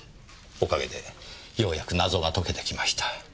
おかげでようやく謎が解けてきました。